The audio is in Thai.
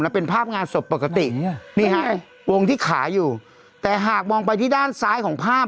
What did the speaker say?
เป็นภาพงานศพปกตินี่ฮะวงที่ขาอยู่แต่หากมองไปที่ด้านซ้ายของภาพ